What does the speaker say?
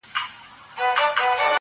دادی بیا نمک پاسي ده، پر زخمونو د ځپلو.